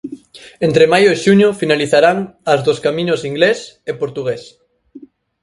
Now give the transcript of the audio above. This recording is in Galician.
Entre maio e xuño finalizarán as dos camiños Inglés e Portugués.